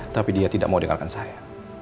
tapi dia tidak mau dengarkan saya